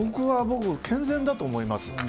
僕は健全だと思います。